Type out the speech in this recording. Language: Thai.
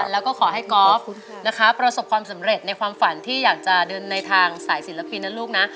แล้วก็ขอให้กอล์ฟนะคะประสบความสำเร็จในความฝันที่อยากจะเดินในทางสายศิลปินนะลูกนะ